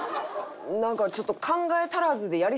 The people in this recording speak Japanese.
なんかちょっと。